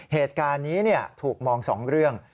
เหตุการณ์นี้ถูกมอง๒เรื่อง